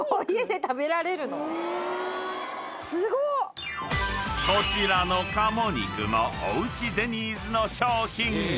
え⁉［こちらの鴨肉のおうちデニーズの商品］